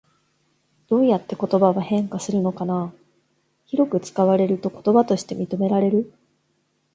どうやって言葉は変化するのかな？広く使われると言葉として認められる？